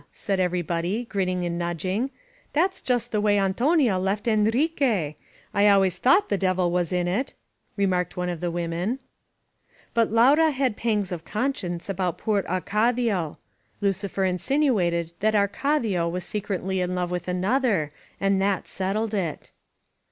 said everybody, grin ning and nudging. "That's just the way Antonia left Enrique! I always thought the Devil was in it!" re marked one of the women. But Laura had pangs of conscience about poor Arcadio. Lucifer insinuated that Arcadia was se cretly in love with another, and that settled it.